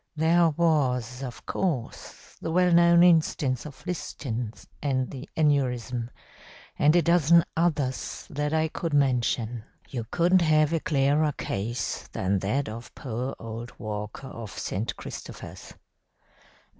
There was, of course, the well known instance of Liston and the aneurism; and a dozen others that I could mention. You couldn't have a clearer case than that of poor old Walker of St. Christopher's.